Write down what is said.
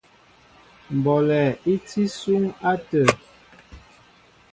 Mbɔlɛ í tí isúŋ atə̂.